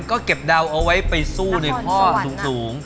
ก็เก็บเดาเอาไว้ไปสู้ในข้อสูง